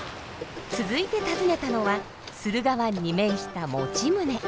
続いて訪ねたのは駿河湾に面した用宗。